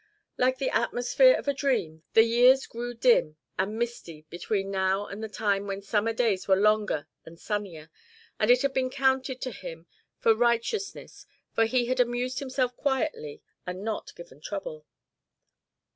Like the atmosphere of a dream, the years grew dim and misty between now and the time when summer days were longer and sunnier, and it had been counted to him for righteousness if he had amused himself quietly and not given trouble.